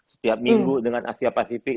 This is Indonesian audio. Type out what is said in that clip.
setiap minggu dengan asia pasifik